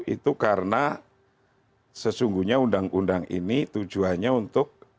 itu karena sesungguhnya undang undang ini tujuannya untuk